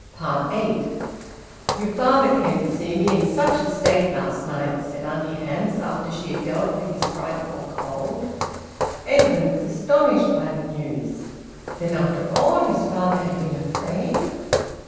EIGHT. "Your father came to see me in such a state last night!" said Auntie Hamps, after she had dealt with his frightful cold. Edwin was astonished by the news. Then after all his father had been afraid!